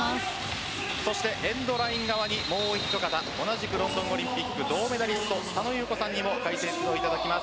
エンドライン側にもう一方同じく、ロンドンオリンピック銅メダリスト佐野優子さんにも解説をいただきます。